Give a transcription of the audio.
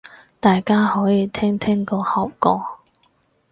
大家可以聽聽個效果